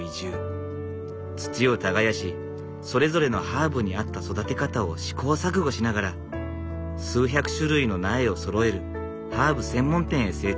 土を耕しそれぞれのハーブに合った育て方を試行錯誤しながら数百種類の苗をそろえるハーブ専門店へ成長していった。